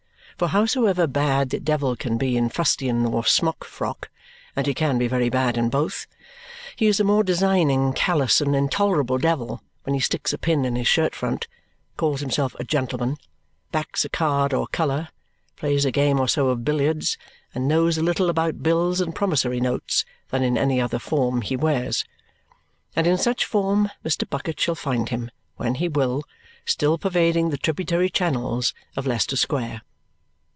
For howsoever bad the devil can be in fustian or smock frock (and he can be very bad in both), he is a more designing, callous, and intolerable devil when he sticks a pin in his shirt front, calls himself a gentleman, backs a card or colour, plays a game or so of billiards, and knows a little about bills and promissory notes than in any other form he wears. And in such form Mr. Bucket shall find him, when he will, still pervading the tributary channels of Leicester Square.